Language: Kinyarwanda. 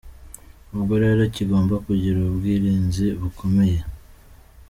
Ubwo rero kigomba kugira ubwirinzi bukomeye.